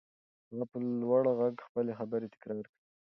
هغه په لوړ غږ خپلې خبرې تکرار کړې.